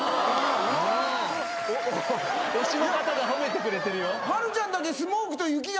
推しの方が褒めてくれてるよ。